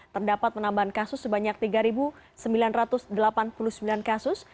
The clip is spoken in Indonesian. terdapat penambahan kasus sebanyak tiga sembilan ratus delapan puluh sembilan kasus